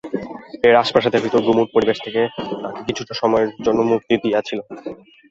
এটা রাজপ্রাসাদের ভেতরের গুমোট পরিবেশ থেকে তাঁকে কিছুটা সময়ের জন্য মুক্তি দিয়েছিল।